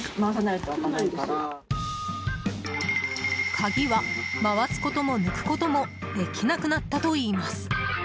鍵は、回すことも抜くこともできなくなったといいます。